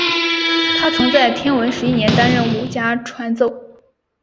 他曾在天文十一年担任武家传奏。